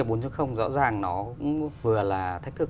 công nghiệp bốn rõ ràng nó cũng vừa là thách thức